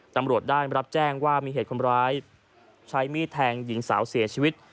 ตำรวจได้รับแจ้งว่ามีเหตุคนร้ายใช้มีดแทงหญิงสาวเสียชีวิต